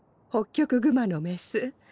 ホッキョクグマのメス。